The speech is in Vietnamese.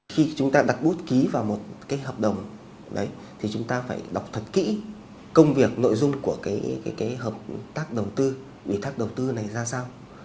khi chúng ta đặt bút ký vào một cái hợp đồng đấy thì chúng ta phải đọc thật kỹ công việc nội dung của cái hợp tác đầu tư ủy thác đầu tư này ra sao